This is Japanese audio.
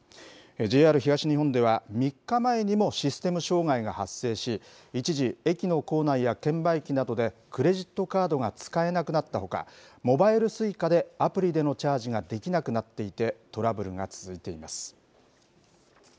ＪＲ東日本では、３日前にもシステム障害が発生し、一時、駅の構内や券売機などでクレジットカードが使えなくなったほか、モバイルＳｕｉｃａでアプリでのチャージができなくなっていて、トラブルが続いています。